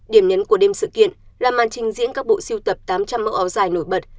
điểm nhấn của đêm sự kiện là màn trình diễn các bộ siêu tập tám trăm linh mẫu áo dài nổi bật